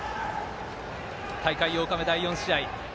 大会８日目、第４試合。